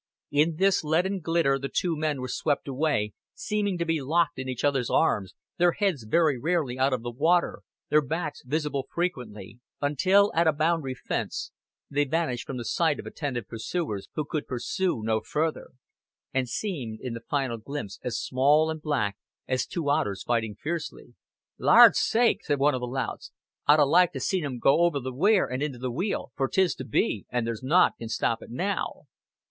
In this leaden glitter the two men were swept away, seeming to be locked in each other's arms, their heads very rarely out of the water, their backs visible frequently; until at a boundary fence they vanished from the sight of attentive pursuers who could pursue no further; and seemed in the final glimpse as small and black as two otters fiercely fighting. "Laard's sake," said one of the louts, "I'd 'a' liked to 'a' seen 'em go over the weir and into the wheel for 'tis to be, and there's nought can stop it now."